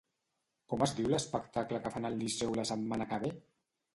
Com es diu l'espectacle que fan al Liceu la setmana que ve?